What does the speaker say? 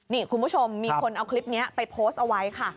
นี่คุณผู้ชมมีคนเอาคลิปนี้ไปโพสต์เอาไว้ค่ะ